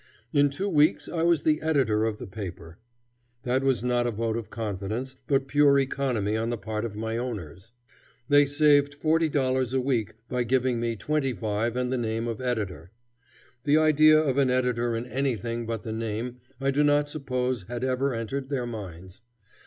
In two weeks I was the editor of the paper. That was not a vote of confidence, but pure economy on the part of my owners. They saved forty dollars a week by giving me twenty five and the name of editor. The idea of an editor in anything but the name I do not suppose had ever entered their minds.